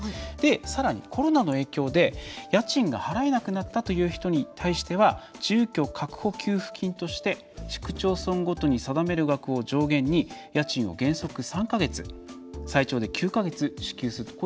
さらに、コロナの影響で家賃が払えなくなったという人に対しては住居確保給付金として市区町村ごとに定める額を上限に家賃を原則３か月最長で９か月支給するとこういった制度もあるんですね。